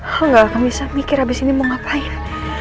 aku gak akan bisa mikir abis ini mau ngapain